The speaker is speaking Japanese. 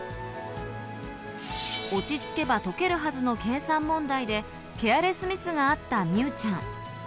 落ち着けば解けるはずの計算問題でケアレスミスがあった美羽ちゃん。